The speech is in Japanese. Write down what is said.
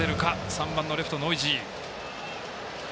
３番のレフト、ノイジー。